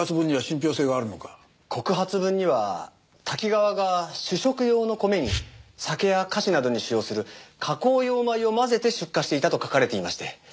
告発文にはタキガワが主食用の米に酒や菓子などに使用する加工用米を混ぜて出荷していたと書かれていまして。